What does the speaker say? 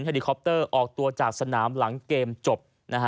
ลิคอปเตอร์ออกตัวจากสนามหลังเกมจบ